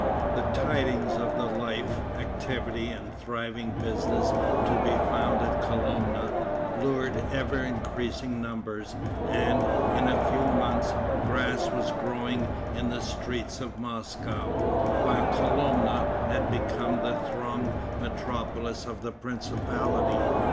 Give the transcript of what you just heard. The tidings of the life, activity and thriving business to be found at Kolomna, lured ever increasing numbers, and, in a few months, grass was growing in the streets of Moscow, while Kolomna had become the thronged metropolis of the principality.